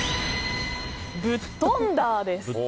ブットンダー！！です。